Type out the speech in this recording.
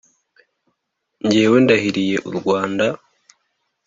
Jyewe ndahiriye u Rwanda